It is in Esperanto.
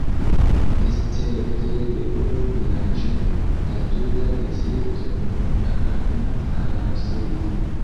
Escepte de unu vilaĝo la tuta distrikto nun apartenas al Aŭstrio.